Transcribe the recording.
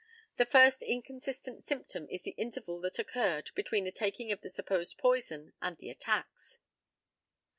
The first inconsistent symptom is the intervals that occurred between the taking of the supposed poison and the attacks.